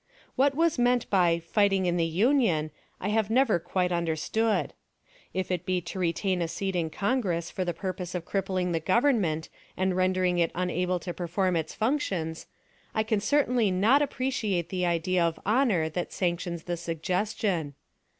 What was meant by "fighting in the Union" I have never quite understood. If it be to retain a seat in Congress for the purpose of crippling the Government and rendering it unable to perform its functions, I can certainly not appreciate the idea of honor that sanctions the suggestion.